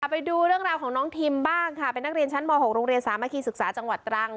ไปดูเรื่องราวของน้องทิมบ้างค่ะเป็นนักเรียนชั้นม๖โรงเรียนสามัคคีศึกษาจังหวัดตรัง